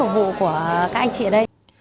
với lại phục vụ của các anh chị ở đây